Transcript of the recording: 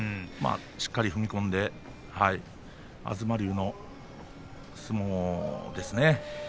しっかり踏み込んで東龍の相撲ですね。